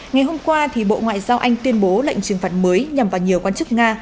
ngày hôm qua bộ ngoại giao anh tuyên bố lệnh trừng phạt mới nhằm vào nhiều quan chức nga